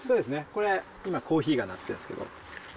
これ、今コーヒーがなってるんですけど。